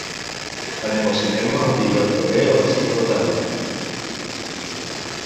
Anem al cinema el dijous que ve a les cinc de la tarda.